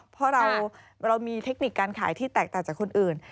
เพราะเรามีเทคนิคการขายที่แตกต่างจากคนอื่น